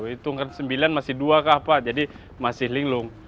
hitung kan sembilan masih dua kapal jadi masih linglung